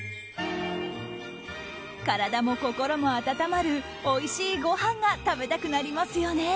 体も心も温まるおいしいごはんが食べたくなりますよね。